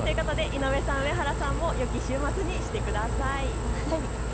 井上さん、上原さんもよき週末にしてください。